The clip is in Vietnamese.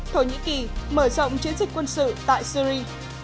thổ nhĩ kỳ mở rộng chiến dịch quân sự tại syri